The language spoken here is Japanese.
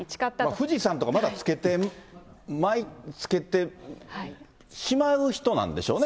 富士山とかまた、つけてしまう人なんでしょうね。